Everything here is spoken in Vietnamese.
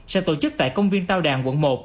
sẽ tổ chức tại công viên tao đàn quận một